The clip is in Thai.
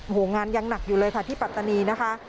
โอ้โหงานยังหนักอยู่เลยค่ะที่ปัตตานีนะคะ